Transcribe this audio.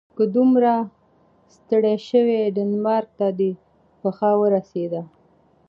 که دومره ستړی شوې ډنمارک ته دې پښه ورسیده.